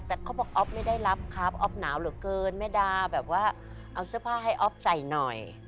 แต่เขาบอกอ๊อฟไม่ได้รับครับอ๊อฟหนาวเหลือเกินแม่ดาแบบว่าเอาเสื้อผ้าให้อ๊อฟใส่หน่อย